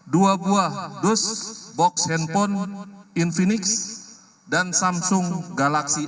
dua buah dus box handphone infinix dan samsung galaxy